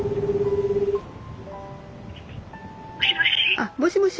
☎あっもしもし